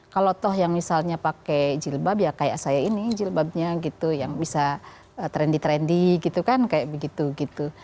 kalau toh yang misalnya pakai jilbab ya kayak saya ini jilbabnya gitu yang bisa trendy trendy gitu kan kayak begitu gitu